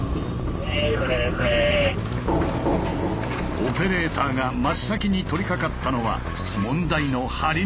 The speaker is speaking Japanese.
オペレーターが真っ先に取りかかったのはああ！